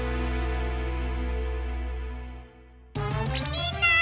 みんな！